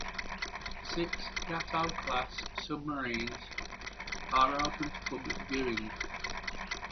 Six "Gato"-class submarines are open to public viewing.